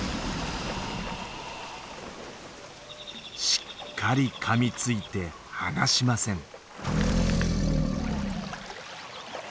しっかりかみついて離しません。